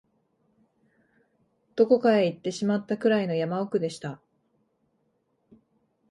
どこかへ行ってしまったくらいの山奥でした